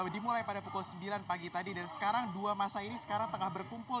dimulai pada pukul sembilan pagi tadi dan sekarang dua masa ini sekarang tengah berkumpul